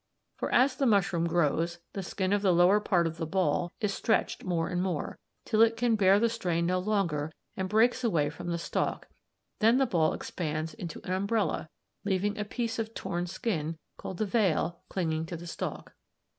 For as the mushroom grows, the skin of the lower part of the ball (v, b4) is stretched more and more, till it can bear the strain no longer and breaks away from the stalk; then the ball expands into an umbrella, leaving a piece of torn skin, called the veil (v, Fig. 26), clinging to the stalk."